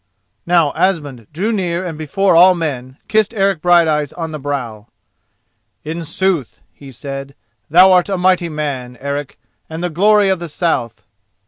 Now Asmund drew near and before all men kissed Eric Brighteyes on the brow. "In sooth," he said, "thou art a mighty man, Eric, and the glory of the south.